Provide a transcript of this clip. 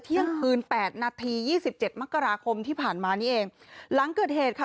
เที่ยงคืนแปดนาทียี่สิบเจ็ดมกราคมที่ผ่านมานี่เองหลังเกิดเหตุค่ะ